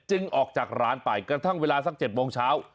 ออกจากร้านไปกระทั่งเวลาสัก๗โมงเช้า